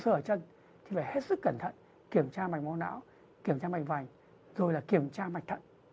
sơ ở chân thì phải hết sức cẩn thận kiểm tra mạch máu não kiểm tra mạch vành rồi là kiểm tra mạch thận